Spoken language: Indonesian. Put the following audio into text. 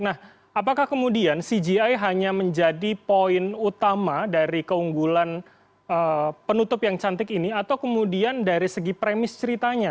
nah apakah kemudian cgi hanya menjadi poin utama dari keunggulan penutup yang cantik ini atau kemudian dari segi premis ceritanya